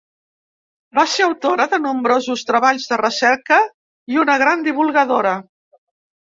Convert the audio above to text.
Va ser autora de nombrosos treballs de recerca i una gran divulgadora.